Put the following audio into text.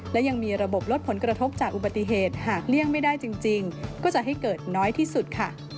และยังมีระบบลดผลกระทบจากอุบัติเหตุหากเลี่ยงไม่ได้จริงก็จะให้เกิดน้อยที่สุดค่ะ